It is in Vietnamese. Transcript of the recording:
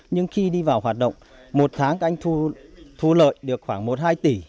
nhưng khi đi vào hoạt động một tháng anh thu lợi được khoảng một hai tỷ